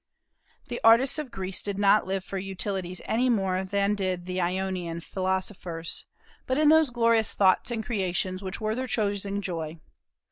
The artists of Greece did not live for utilities any more than did the Ionian philosophers, but in those glorious thoughts and creations which were their chosen joy.